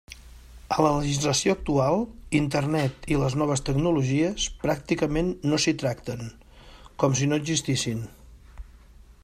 A la legislació actual, Internet i les noves tecnologies pràcticament no s'hi tracten, com si no existissin.